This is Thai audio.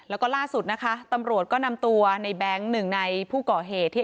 แล้วก็ล่าสุดนะคะตำรวจก็นำตัวในแบงค์หนึ่งในผู้ก่อเหตุที่